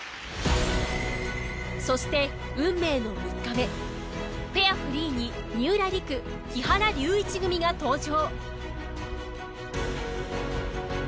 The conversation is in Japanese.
そして運命の３日目ペアフリーに三浦璃来木原龍一組が登場。